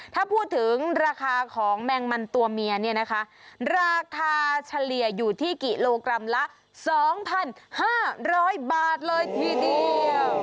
ถ้าพูดถึงราคาของแมงมันตัวเมียเนี่ยนะคะราคาเฉลี่ยอยู่ที่กิโลกรัมละ๒๕๐๐บาทเลยทีเดียว